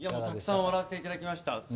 たくさん笑わせていただきました。